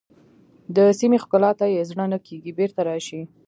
د سیمې ښکلا ته یې زړه نه کېږي بېرته راشئ.